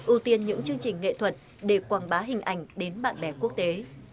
ưu tiên những chương trình nghệ thuật để quảng bá hình ảnh đến bạn bè quốc tế